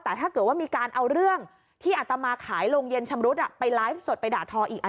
แต่ถ้าเกิดว่ามีการเอาเรื่องที่อัตมาขายโรงเย็นชำรุดไปไลฟ์สดไปด่าทออีก